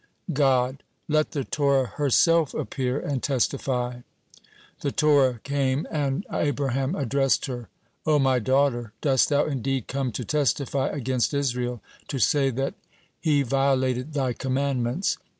God: "Let the Torah herself appear and testify." The Torah came, and Abraham addressed her: "O my daughter, dost thou indeed come to testify against Israel, to say that he violated thy commandments?